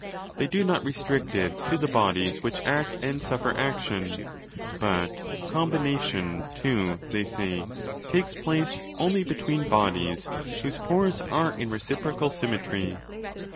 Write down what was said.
They do not restrict it to the bodies which act and suffer action: but 'combination' too, they say, takes 35 place 'only between bodies whose pores are in reciprocal symmetry'.